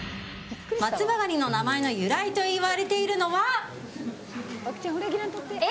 松葉ガニの名前の由来と言われているのはＡ！